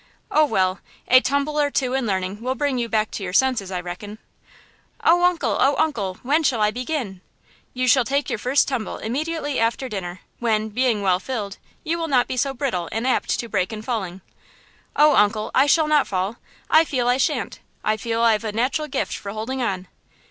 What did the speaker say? "Oh, well, a tumble or two in learning will bring you back to your senses, I reckon!" "Oh, uncle! oh, uncle! When shall I begin?" "You shall take your first tumble immediately after dinner, when, being well filled, you will not be so brittle and apt to break in falling!" "Oh, uncle! I shall not fall! I feel I shan't! I feel I've a natural gift for holding on!"